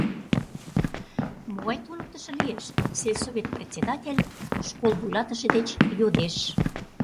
Могай туныктышо лиеш? — сельсовет председатель школ вуйлатыше деч йодеш.